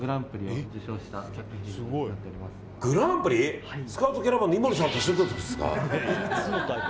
グランプリ？スカウトキャラバンの井森さんと一緒ってことですか。